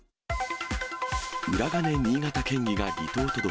裏金、新潟県議が離党届。